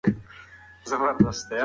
ملا پر کټ باندې پروت دی.